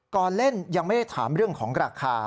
ก่อนเล่นยังไม่ได้ถามเรื่องของราคา